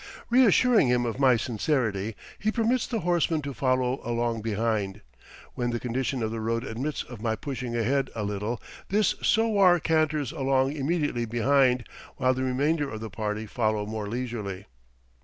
Reassuring him of my sincerity, he permits the horseman to follow along behind. When the condition of the road admits of my pushing ahead a little, this sowar canters along immediately behind, while the remainder of the party follow more leisurely.